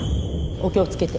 お気を付けて。